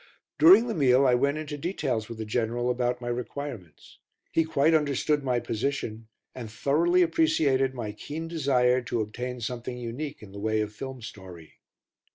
During the meal I went into details with the General about my requirements. He quite understood my position and thoroughly appreciated my keen desire to obtain something unique in the way of film story.